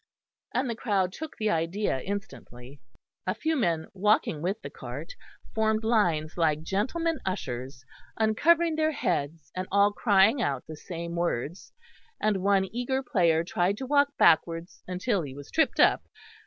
and the crowd took the idea instantly: a few men walking with the cart formed lines like gentlemen ushers, uncovering their heads and all crying out the same words; and one eager player tried to walk backwards until he was tripped up.